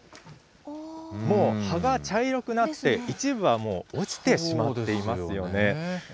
もう葉が茶色くなって、一部はもう落ちてしまっていますよね。